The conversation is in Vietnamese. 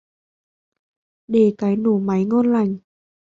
đề cái nổ máy ngon lành